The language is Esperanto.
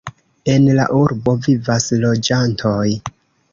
En la urbo vivas loĝantoj.